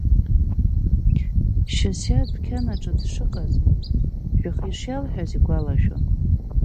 Шьасиа адәқьанаҿ дшыҟаз жәаха ишиалҳәаз игәалашәон.